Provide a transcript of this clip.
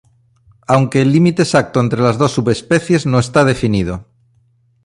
Aunque el límite exacto entre las dos subespecies no está definido.